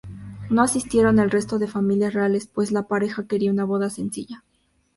No asistieron el resto de familias reales, pues la pareja quería una boda sencilla.